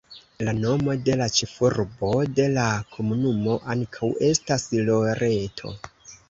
La nomo de la ĉefurbo de la komunumo ankaŭ estas Loreto.